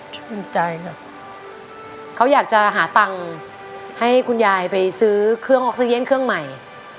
ภูมิใจครับเขาอยากจะหาตังค์ให้คุณยายไปซื้อเครื่องออกซิเจนเครื่องใหม่